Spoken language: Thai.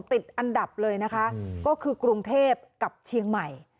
ติดอันดับเลยนะคะก็คือกรุงเทพกับเชียงใหม่